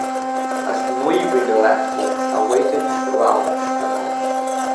A snowy winter landscape awaited Ralph the morning.